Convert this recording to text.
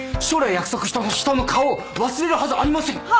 将来約束した人の顔を忘れるはずありません。